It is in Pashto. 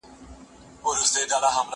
زه سندري نه اورم،